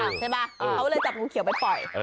ใช่ไหมเขาเลยจับงูเขียวไปปล่อย